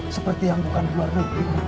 seperti yang bukan keluarga